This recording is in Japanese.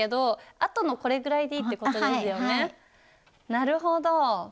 なるほど！